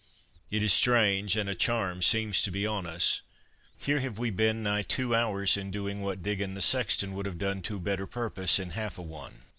It is strange, and a charm seems to be on us. Here have we been nigh two hours in doing what Diggon the sexton would have done to better purpose in half a one."